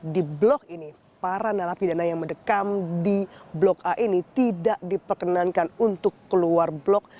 di blok ini para narapidana yang mendekam di blok a ini tidak diperkenankan untuk keluar blok